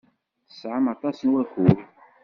Tesɛam aṭas n wakud.